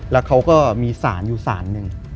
แล้วเขาก็มีสารอยู่สารหนึ่ง